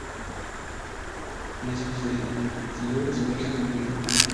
Le sucedió su hija Julia.